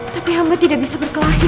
tapi hamba tidak bisa berkelahi